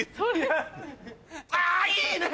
あぁいいね！